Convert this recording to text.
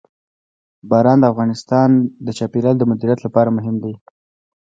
باران د افغانستان د چاپیریال د مدیریت لپاره مهم دي.